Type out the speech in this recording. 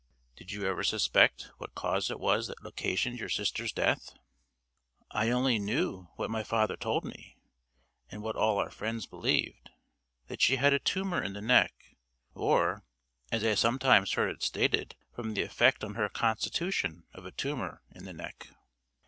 Did you ever suspect what cause it was that occasioned your sister's death?" "I only knew what my father told me, and what all our friends believed that she had a tumor in the neck, or, as I sometimes heard it stated, from the effect on her constitution of a tumor in the neck."